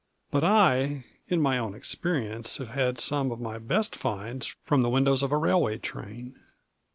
But I in my own experience have had some of my best finds from the windows of a railway train.